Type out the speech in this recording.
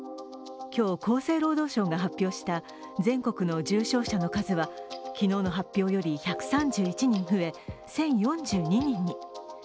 今日、厚生労働省が発表した全国の重症者の数は昨日の発表より１３１人増え、１０４２人に。